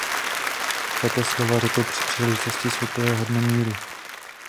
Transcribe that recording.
Tato slova řekl při příležitosti světového dne míru.